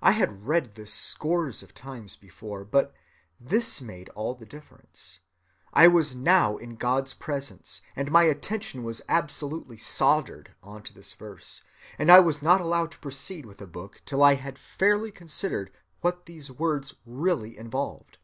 I had read this scores of times before, but this made all the difference. I was now in God's presence and my attention was absolutely 'soldered' on to this verse, and I was not allowed to proceed with the book till I had fairly considered what these words really involved.